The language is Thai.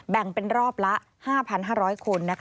แบ่งเป็นรอบละ๕๕๐๐คน